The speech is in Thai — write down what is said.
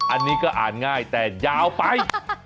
อันนี้ก็อ่านง่ายแต่ยาวไป